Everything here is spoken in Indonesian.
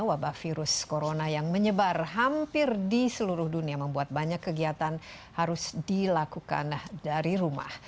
wabah virus corona yang menyebar hampir di seluruh dunia membuat banyak kegiatan harus dilakukan dari rumah